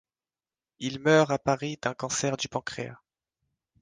Il meurt à Paris d'un cancer du pancréas.